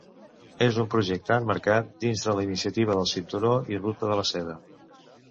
És un projecte emmarcat dins de la Iniciativa del Cinturó i Ruta de la Seda.